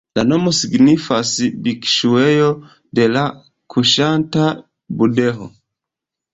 La nomo signifas "Bikŝuejo de la kuŝanta budho".